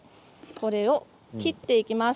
これを切っていきます。